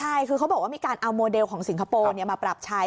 ใช่คือเขาบอกว่ามีการเอาโมเดลของสิงคโปร์มาปรับใช้